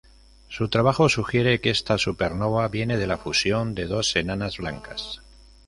Su trabajo sugiere que esta supernova viene de la fusión de dos enanas blancas.